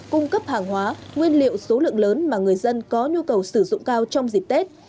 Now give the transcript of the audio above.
cung cấp hàng hóa nguyên liệu số lượng lớn mà người dân có nhu cầu sử dụng cao trong dịp tết